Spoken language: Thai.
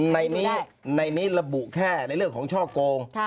ในนี้ในนี้ระบุแค่ในเรื่องของช่อโกง